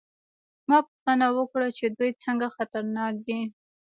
ما پوښتنه وکړه چې دوی څنګه خطرناک دي